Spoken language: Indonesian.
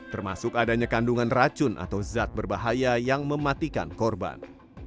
termasuk adanya kandungan racun atau zat berbahaya yang mematikan korban